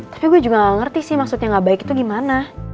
tapi gue juga gak ngerti sih maksudnya gak baik itu gimana